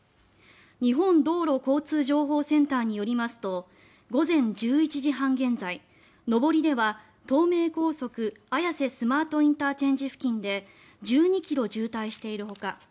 日本道路交通情報センターによりますと午前１１時半現在、上りでは東名高速綾瀬スマートＩＣ付近で１２ｋｍ渋滞しているほか